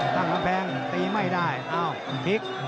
ตั้งกำแพงตีไม่ได้อ้าวพลิก